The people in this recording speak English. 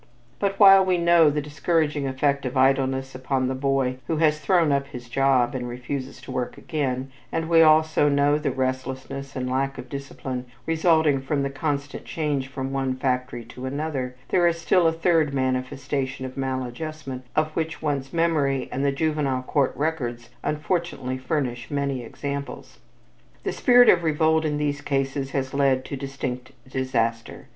But while we know the discouraging effect of idleness upon the boy who has thrown up his job and refuses to work again, and we also know the restlessness and lack of discipline resulting from the constant change from one factory to another, there is still a third manifestation of maladjustment of which one's memory and the Juvenile Court records unfortunately furnish many examples. The spirit of revolt in these cases has led to distinct disaster.